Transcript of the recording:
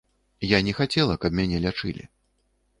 Я не хацела, каб мяне лячылі.